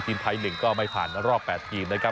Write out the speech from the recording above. ทีมไทย๑ก็ไม่ผ่านรอบ๘ทีมนะครับ